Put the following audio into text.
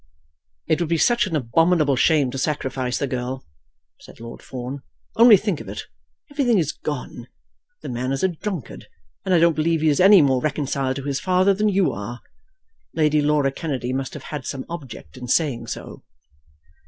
"It would be such an abominable shame to sacrifice the girl," said Lord Fawn. "Only think of it. Everything is gone. The man is a drunkard, and I don't believe he is any more reconciled to his father than you are. Lady Laura Kennedy must have had some object in saying so."